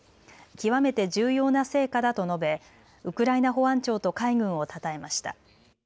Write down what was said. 極めて重要な成果だと述べウクライナ保安庁と海軍をたたえました。